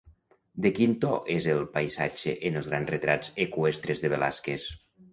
De quin to és el paisatge en els grans retrats eqüestres de Velázquez?